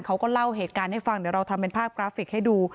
เขาก็เล่าเหตุการณ์ให้ฟังเดี๋ยวเราทำเป็นภาพกราฟิกให้ดู